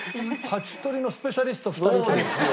ハチ捕りのスペシャリスト２人組。